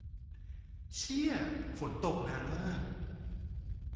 เชี่ย ฝนตกนานมาก